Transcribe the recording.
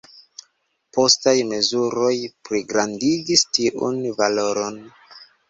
Postaj mezuroj pligrandigis tiun valoron.